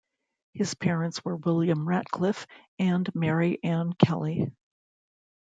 His parents were William Ratcliffe and Mary Ann Kelly.